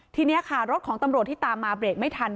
ทีนี้ค่ะรถของตำรวจที่ตามมาเบรกไม่ทัน